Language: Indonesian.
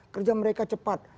kerja mereka cepat